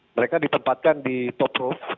mereka ditempatkan di top roof